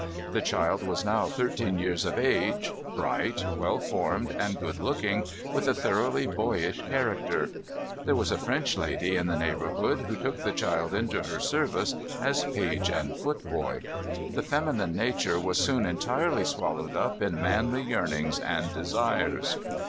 The child was now thirteen years of age, bright, well formed, and good looking, with a thoroughly boyish character. There was a French lady, in the neighborhood, who took the child into her service, as page and footboy. The feminine nature was soon entirely swallowed up in manly yearnings and desires.